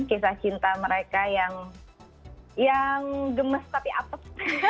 kisah cinta mereka yang gemes tapi apet